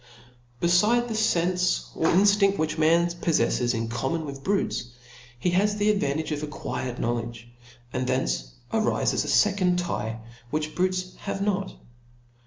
Befide the fenfe or inftinft which man poflefles in common with" brutes, he has the advantage of acquired knowledge ; and thence arifes a fecond tye. Which brutes have not.